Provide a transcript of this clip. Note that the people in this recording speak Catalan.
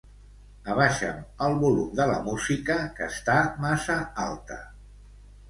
Abaixa'm el volum de la música que està massa alta.